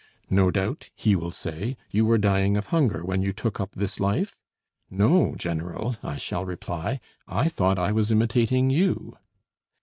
'No doubt,' he will say, 'you were dying of hunger when you took up this life?' 'No, General,' I shall reply, 'I thought I was imitating you.'"